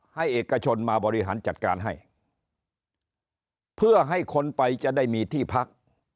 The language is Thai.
เอกชนมาบริหารจัดการให้เพื่อให้คนไปจะได้มีที่พัก